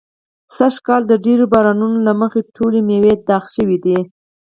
سږ کال د ډېرو بارانو نو له مخې ټولې مېوې داغي شوي دي.